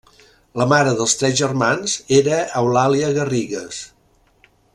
La mare dels tres germans era Eulàlia Garrigues.